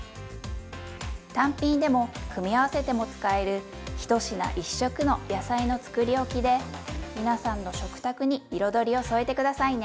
単品でも組み合わせても使える「１品１色の野菜のつくりおき」で皆さんの食卓に彩りを添えて下さいね。